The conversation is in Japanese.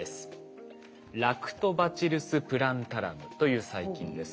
ラクトバチルス・プランタラムという細菌です。